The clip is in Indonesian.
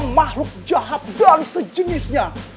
makhluk jahat dan sejenisnya